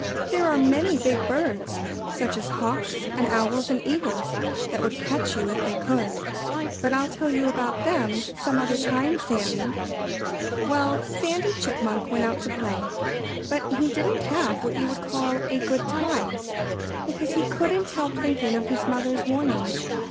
"There are many big birds such as hawks and owls and eagles that would catch you if they could.... But I'll tell you about them some other time, Sandy." Well, Sandy Chipmunk went out to play. But he didn't have what you would call a good time, because he couldn't help thinking of his mother's warning.